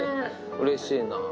うれしいな。